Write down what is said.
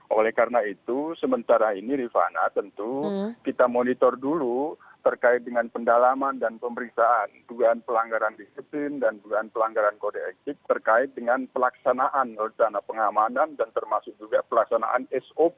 oleh karena itu sementara ini rifana tentu kita monitor dulu terkait dengan pendalaman dan pemeriksaan dugaan pelanggaran disiplin dan dugaan pelanggaran kode etik terkait dengan pelaksanaan rencana pengamanan dan termasuk juga pelaksanaan sop